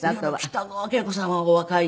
北川景子さんはお若いんで。